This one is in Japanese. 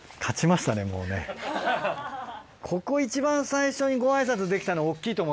ここ一番最初にご挨拶できたの大っきいと思いますよ。